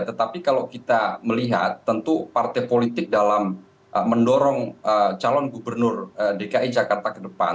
tetapi kalau kita melihat tentu partai politik dalam mendorong calon gubernur dki jakarta ke depan